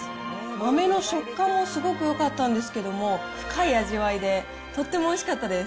豆の食感もすごくよかったんですけども、深い味わいで、とってもおいしかったです。